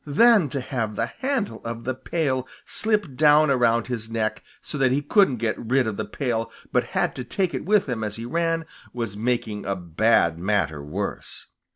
Then to have the handle of the pail slip down around his neck so that he couldn't get rid of the pail but had to take it with him as he ran, was making a bad matter worse.